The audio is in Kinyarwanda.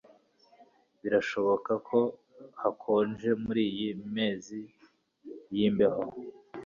Birashoboka ko hakonje muriyi mezi yimbeho